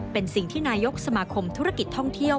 เป็นสิ่งที่นายกสมาคมธุรกิจท่องเที่ยว